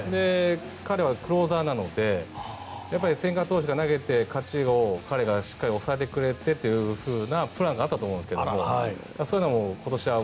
彼はクローザーなので千賀投手が投げて勝ちを彼がしっかり抑えてくれてというプランがあったと思うんですがそういうのも今年は。